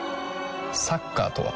サッカーとは？